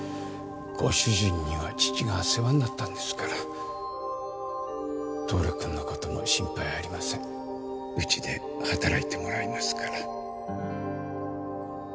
ご主人には父が世話になったんですから亨君のことも心配ありませんうちで働いてもらいますから。